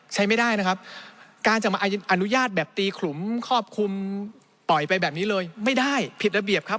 ใช้ไม่ได้นะครับการจะมาอนุญาตแบบตีขลุมครอบคลุมปล่อยไปแบบนี้เลยไม่ได้ผิดระเบียบครับ